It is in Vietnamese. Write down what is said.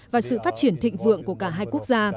và sự phát triển thịnh vượng của cả hai quốc gia